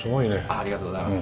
ありがとうございます。